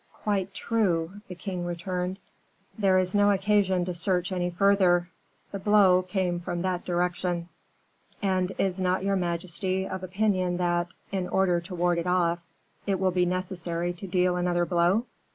"Quite true," the king returned; "there is no occasion to search any further, the blow came from that direction." "And is not your majesty of opinion that, in order to ward it off, it will be necessary to deal another blow?"